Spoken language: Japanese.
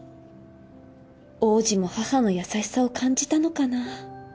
王子も母の優しさを感じたのかな？